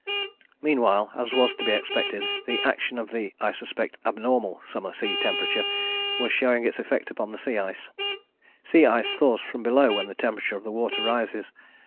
" Meanwhile, as was to be expected, the action of the, I suspect, abnormal summer sea temperature was showing its effect upon the sea ice. Sea ice thaws from below when the temperature of the water rises.